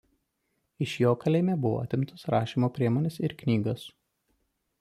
Iš jo kalėjime buvo atimtos rašymo priemonės ir knygos.